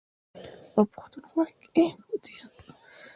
او پښتونخوا کې یې بودیزم خپراوه.